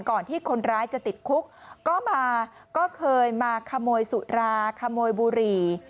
ก่อนที่คนร้ายจะติดคุกก็มาก็เคยมาขโมยสุราขโมยบุหรี่